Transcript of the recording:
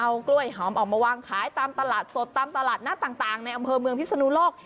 เอากล้วยหอมออกมาวางขายตามตลาดสดตามตลาดนัดต่างในอำเภอเมืองพิศนุโลก